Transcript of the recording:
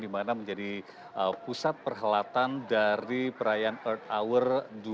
di mana menjadi pusat perhelatan dari perayaan earth hour dua ribu dua puluh